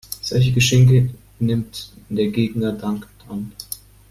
Solche Geschenke nimmt der Gegner dankend an.